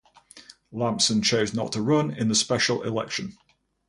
Lampson chose not to run in the special election.